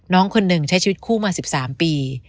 น้องคนหนึ่งใช้ชีวิตคู่มา๑๓ปี